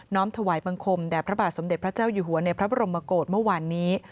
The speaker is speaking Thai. ้อมถวายบังคมแด่พระบาทสมเด็จพระเจ้าอยู่หัวในพระบรมกฏเมื่อวานนี้